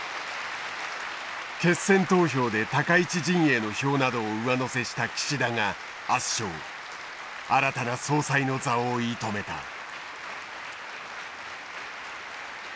決選投票で高市陣営の票などを上乗せした岸田が圧勝新たな総裁の座を射止めた。